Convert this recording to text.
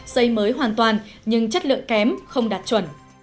xây mới hoàn toàn nhưng chất lượng kém không đạt chuẩn